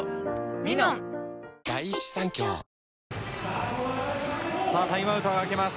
「ミノン」タイムアウトが明けます。